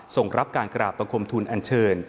ส่งรับการกราบบังคมทุนอันเชิญ